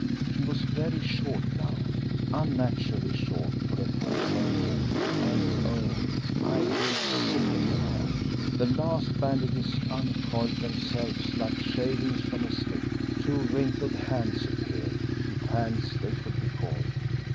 She was very short now, unnaturally short for a full grown woman, and oh! I grew sick at heart. The last bandages uncoiled themselves like shavings from a stick; two wrinkled hands appeared, if hands they could be called.